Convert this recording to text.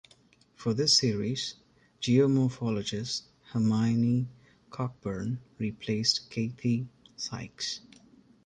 For this series, geomorphologist Hermione Cockburn replaced Kathy Sykes.